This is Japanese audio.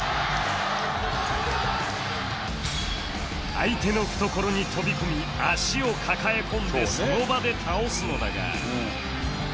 相手の懐に飛び込み足を抱え込んでその場で倒すのだが